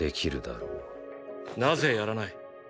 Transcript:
なぜやらない？